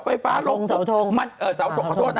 กระโทษนะ